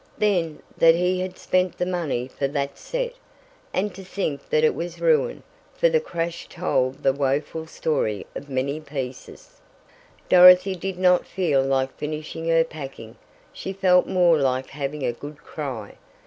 Then, that he had spent the money for that set. And to think that it was ruined, for the crash told the woeful story of many pieces! Dorothy did not feel like finishing her packing. She felt more like having a good cry.